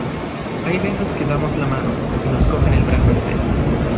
Hay veces que damos la mano, y nos cogen el brazo entero.